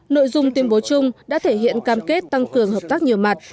nội dung tuyên bố chung đã thể hiện cam kết tăng cường hợp tác nhiều mặt